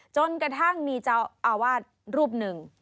จนกระทั่งมีเจ้าอาวาสรูปหนึ่ง